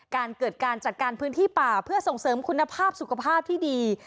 การเกิดการจัดการพื้นที่ป่าเพื่อส่งเสริมคุณภาพสุขภาพที่ดี